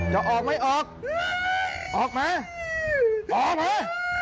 จะออกไม่ออกออกมาออกมา